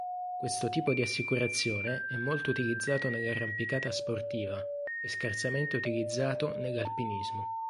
Questo tipo di assicurazione è molto utilizzato nell'arrampicata sportiva e scarsamente utilizzato nell'alpinismo.